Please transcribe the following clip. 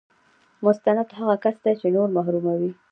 مستبد هغه کس دی چې نور محروموي.